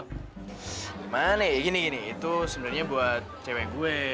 gimana ya gini gini itu sebenernya buat cewek gue